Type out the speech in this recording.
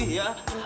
cepet pak betul pak